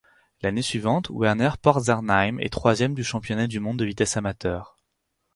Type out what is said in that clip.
L'année suivante, Werner Potzernheim est troisième du championnat du monde de vitesse amateur.